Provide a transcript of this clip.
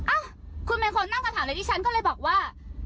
อ๊ะคุณเป็นคนนั่งกับถามดิฉันก็เลยบอกว่า